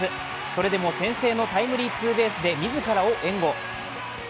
それでも先制のタイムリーツーベースで自らを援護。